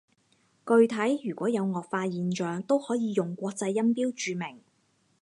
具體如果有顎化現象，都可以用國際音標注明